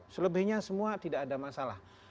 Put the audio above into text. selebihnya semua tidak ada masalah